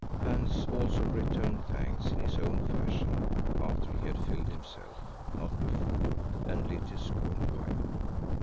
Hans also returned thanks in his own fashion, after he had filled himself, not before, and lit his corn cob pipe.